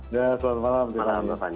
ya selamat malam